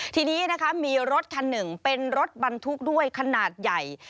ทีนี้นะคะมีรถคันหนึ่งเป็นรถบรรทุกด้วยขนาดใหญ่